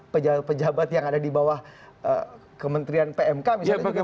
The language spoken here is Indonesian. pejabat pejabat yang ada di bawah kementerian pmk misalnya juga